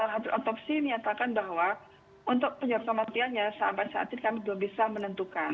habit autopsi menyatakan bahwa untuk penyakit matiannya sampai saat ini kami belum bisa menentukan